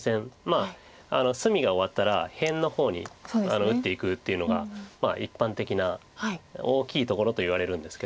まあ隅が終わったら辺の方に打っていくっていうのが一般的な大きいところといわれるんですけど。